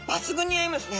合いますね。